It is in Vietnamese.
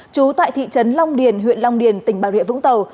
trú tại thị trấn long điền huyện long điền tỉnh bạc huyện vũng tàu